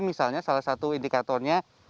misalnya salah satu indikatornya